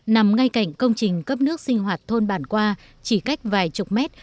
nằm ngay cạnh công trình cấp nước sinh hoạt thôn bản qua chỉ cách vài chục mét